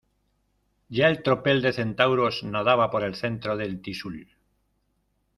ya el tropel de centauros nadaba por el centro del Tixul